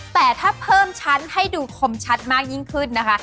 แต่ถ้าเพิ่มชั้นให้ดูคมชัดมากยิ่งขึ้นนะคะ